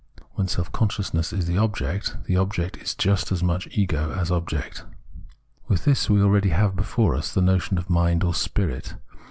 When a self consciousness is the object, the object is just as much ego as object. With this we already have before us the notion of Mind or Spirit.